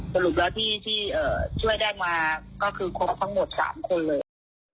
สรุปแล้วที่ช่วยได้มาก็คือครบทั้งหมด๓คนเลย